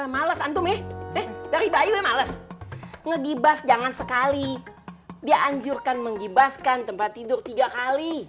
malas antum eh dari bayi males nge gibas jangan sekali dia anjurkan mengibaskan tempat tidur tiga kali